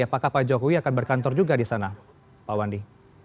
apakah pak jokowi akan berkantor juga di sana pak wandi